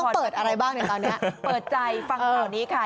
ฉันต้องเปิดอะไรบ้างเนี่ยตอนนี้เปิดใจฟังเหล่านี้ค่ะ